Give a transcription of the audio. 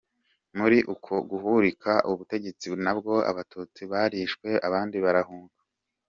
Muri uko guhirika ubutegetsi nabwo abatutsi barishwe abandi barahunga.